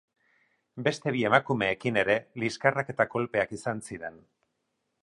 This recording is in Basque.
Beste bi emakumeekin ere liskarrak eta kolpeak izan ziren.